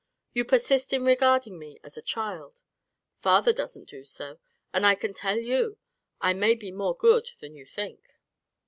You persist in regarding me as a child; father doesn't do so, and I can tell you I may be more good than you think."